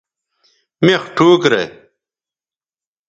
مِخ ٹھوک رے